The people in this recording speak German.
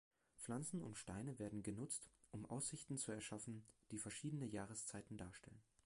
Pflanzen und Steine werden genutzt, um Aussichten zu erschaffen, die verschiedene Jahreszeiten darstellen.